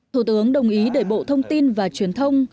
thủ tướng đồng ý để bộ thông tin và truyền thông